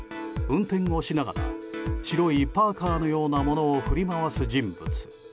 運転をしながら白いパーカのようなものを振り回す人物。